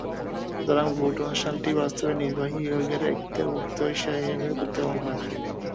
সুতরাং ভোট অনুষ্ঠানটি বাস্তবে নির্বাহী বিভাগের এখতিয়ারভুক্ত বিষয় হিসেবেই প্রতীয়মান হয়।